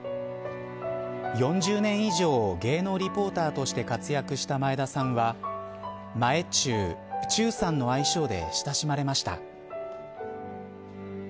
４０年以上を芸能リポーターとして活躍した前田さんは前忠、忠さんの愛称で親しまれました。